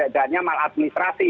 sehingga tidaknya maladministrasi